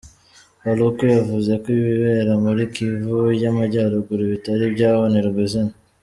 Paluku yavuze ko ibibera muri Kivu y’Amajyaruguru bitari byabonerwa izina.